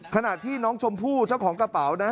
ขณะที่น้องชมพู่เจ้าของกระเป๋านะ